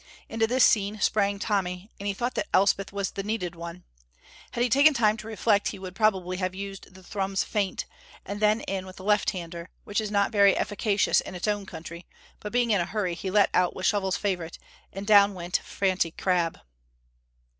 Into this scene sprang Tommy, and he thought that Elspeth was the kneaded one. Had he taken time to reflect he would probably have used the Thrums feint, and then in with a left hander, which is not very efficacious in its own country; but being in a hurry he let out with Shovel's favorite, and down went Francie Crabb.